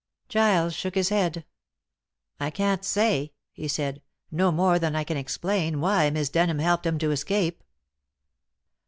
Giles shook his head. "I can't say," he said, "no more than I can explain why Miss Denham helped him to escape."